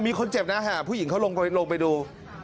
มีคนเจ็บนะฮะผู้หญิงเขาลงไปดู